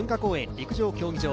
陸上競技場。